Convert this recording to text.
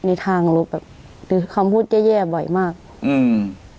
ในทางลบแบบหรือคำพูดแย่แย่บ่อยมากอืม